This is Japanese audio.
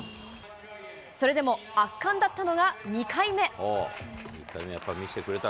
それでも圧巻だったのが２回目。